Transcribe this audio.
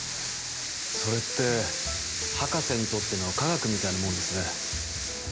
それって博士にとっての科学みたいなもんですね。